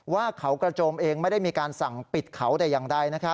ว่าเขากระโจมเองไม่ได้มีการสั่งปิดเขาแต่อย่างใด